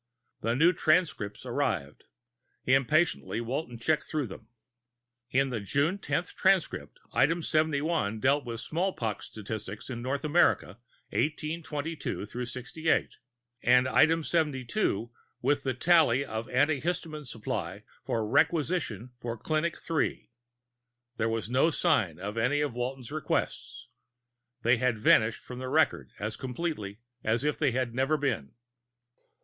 The new transcripts arrived. Impatiently Walton checked through them. In the June tenth transcript, item seventy one dealt with smallpox statistics for North America 1822 68, and item seventy two with the tally of antihistamine supply for requisitions for Clinic Three. There was no sign of any of Walton's requests. They had vanished from the record as completely as if they had never been.